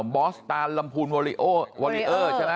บอสตานลำพูนวอริเออร์ใช่ไหม